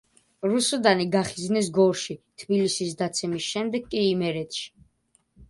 რუსუდანი გახიზნეს გორში, თბილისის დაცემის შემდეგ კი იმერეთში.